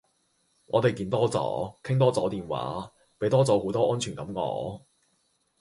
我地見多左，傾多左電話。俾多左好多安全感我。